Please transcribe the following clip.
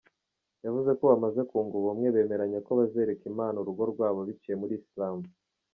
Yavuze ko bamaze kunga ubumwe bemeranya ko bazereka Imana urugo rwabo biciye muri Islam.